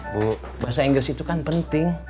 bu bahasa inggris itu kan penting